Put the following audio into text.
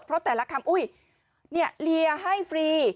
เพราะแต่ละคำเฮียเรียให้ฟรี